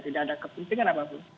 tidak ada kepentingan apapun